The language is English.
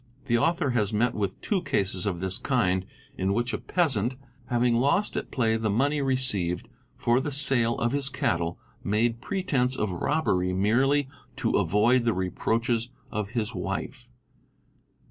The author has met with two cases of this kind in which a peasant, having lost at play the money received for the sale of his cattle, made pretence of robbery merely to avoid the reproaches of his wife.